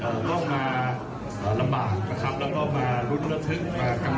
มากังวลใจนะครับกับการแสดงของพระพิทาของเรา